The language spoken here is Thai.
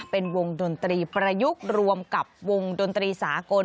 เป็นวงดนตรีประยุกต์รวมกับวงดนตรีสากล